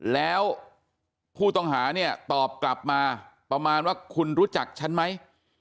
แล้วผู้ต้องหาเนี่ยตอบกลับมาประมาณว่าคุณรู้จักฉันไหม